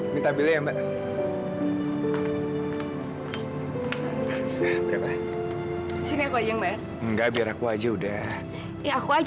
mita udah deh biar aku aja ya